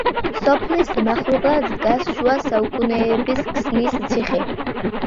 სოფლის მახლობლად დგას შუა საუკუნეების ქსნის ციხე.